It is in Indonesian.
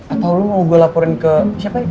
atau lo mau gue laporin ke siapa ibu